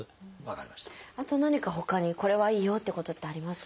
あと何かほかにこれはいいよってことってありますか？